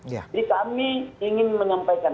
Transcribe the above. jadi kami ingin menyampaikan